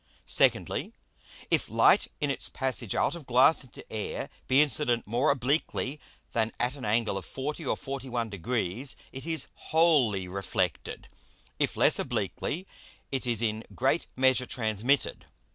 Secondly, If Light in its passage out of Glass into Air be incident more obliquely than at an Angle of 40 or 41 Degrees it is wholly reflected, if less obliquely it is in great measure transmitted.